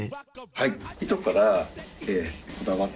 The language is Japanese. はい。